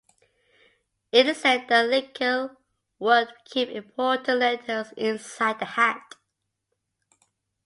It is said that Lincoln would keep important letters inside the hat.